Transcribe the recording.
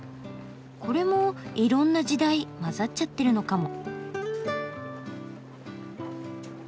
これもいろんな時代まざっちゃってるのかも。